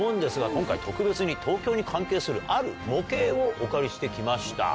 今回特別に東京に関係するある模型をお借りしてきました。